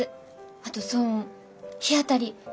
あと騒音日当たり。